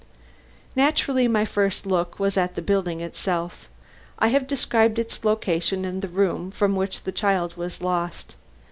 Naturally, my first look was at the building itself. I have described its location and the room from which the child was lost.